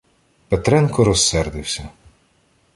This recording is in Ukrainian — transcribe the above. Петренко розсердився.